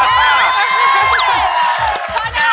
เย่